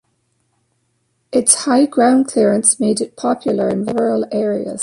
Its high ground clearance made it popular in rural areas.